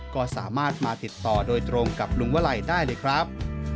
ก็สามารถมาติดต่อโดยตรงกับลุงวลัยได้เลยครับ